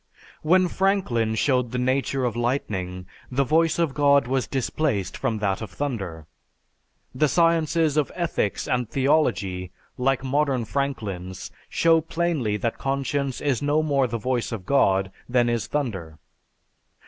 When Franklin showed the nature of lightning, the voice of God was displaced from that of thunder. The sciences of ethics and psychology, like modern Franklins, show plainly that conscience is no more the voice of God than is thunder.